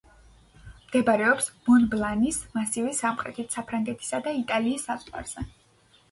მდებარეობს მონბლანის მასივის სამხრეთით, საფრანგეთისა და იტალიის საზღვარზე.